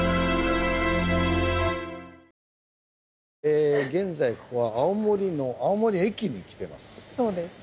え現在ここは青森の青森駅に来てます。